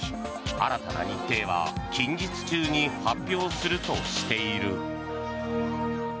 新たな日程は近日中に発表するとしている。